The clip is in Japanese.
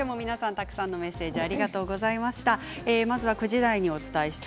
たくさんのメッセージをありがとうございました。